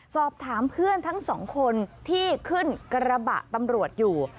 สอบถามเพื่อนทั้งสองคนที่ขึ้นกระบะตำรวจอยู่